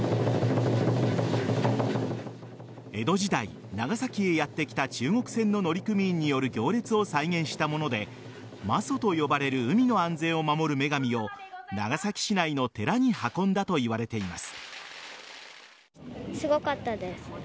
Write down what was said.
江戸時代長崎へやってきた中国船の乗組員による行列を再現したもので媽祖と呼ばれる海の安全を守る女神を長崎市内の寺に運んだといわれています。